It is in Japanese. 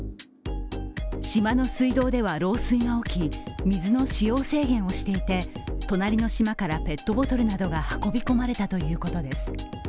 島の水道では漏水が起き水の使用制限をしていて隣の島からペットボトルなどが運び込まれたということです。